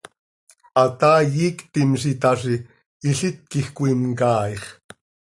Hataai iictim z itaazi, ilít quij cöimcaaix.